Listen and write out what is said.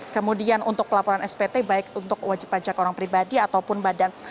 kemudian untuk pelaporan spt baik untuk wajib pajak orang pribadi ataupun badan